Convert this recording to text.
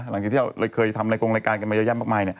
หลังจากที่เราเคยทำในกรงรายการกันมาเยอะแยะมากมาย